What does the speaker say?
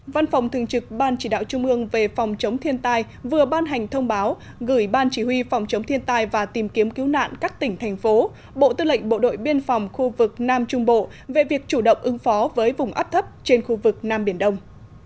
văn phòng thường trực ban chỉ đạo trung ương về phòng chống thiên tai vừa ban hành thông báo gửi ban chỉ huy phòng chống thiên tai và tìm kiếm cứu nạn các tỉnh thành phố bộ tư lệnh bộ đội biên phòng khu vực nam trung bộ về việc chủ động ứng phó với vùng áp thấp trên khu vực nam biển đông